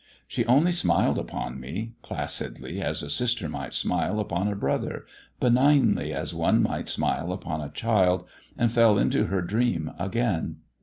She only smiled upon me, placidly as a sister might smile upon a brother, benignly as one might smile upon a child, and fell into her dream again.